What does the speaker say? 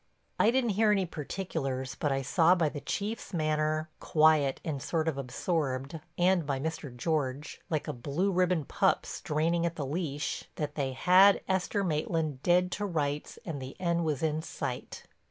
I didn't hear any particulars but I saw by the Chief's manner, quiet and sort of absorbed, and by Mr. George, like a blue ribbon pup straining at the leash, that they had Esther Maitland dead to rights and the end was in sight.